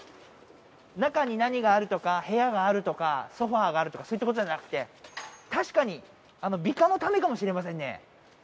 中に何があるとか部屋があるとかソファーがあるとかそういったことじゃなくて確かに美化のためかもしれませんね